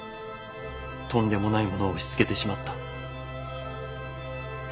とんでもないものを押し付けてしまった」。